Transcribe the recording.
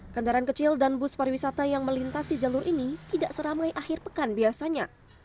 kendaraan kecil dan bus pariwisata yang melintasi jalur ini tidak seramai akhir pekan biasanya